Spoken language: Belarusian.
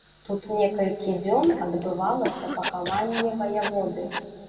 Тут некалькі дзён адбывалася пахаванне ваяводы.